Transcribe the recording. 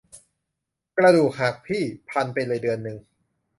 กระดูกหักพี่ พันไปเลยเดือนนึง